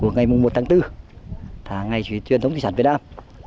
ngày một tháng bốn ngày truyền thống di sản việt nam